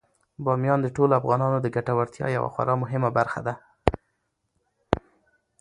بامیان د ټولو افغانانو د ګټورتیا یوه خورا مهمه برخه ده.